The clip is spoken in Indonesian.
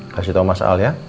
kasih tau mas al ya